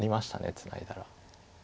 ツナいだら。